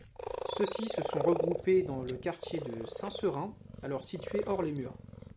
Ceux-ci se sont regroupés dans le quartier de Saint-Seurin, alors situé hors-les-murs.